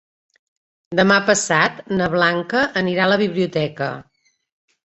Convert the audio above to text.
Demà passat na Blanca anirà a la biblioteca.